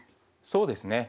そうですね。